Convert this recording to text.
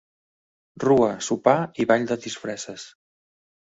Rua, sopar i ball de disfresses.